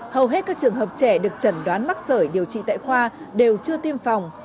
hầu hết các trường hợp trẻ được chẩn đoán mắc sởi điều trị tại khoa đều chưa tiêm phòng